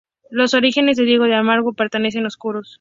Los orígenes de Diego de Almagro permanecen oscuros.